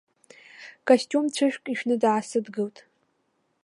Костиум цәышк ишәны даасыдгылеит.